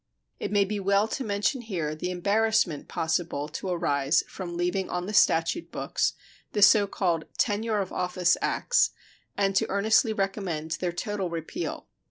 It may be well to mention here the embarrassment possible to arise from leaving on the statute books the so called "tenure of office acts," and to earnestly recommend their total repeal.